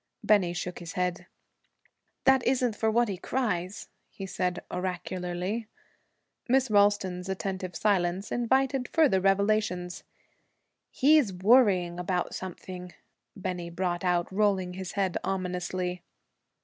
Bennie shook his head. 'That isn't for what he cries,' he said oracularly. Miss Ralston's attentive silence invited further revelations. 'He's worrying about something,' Bennie brought out, rolling his head ominously.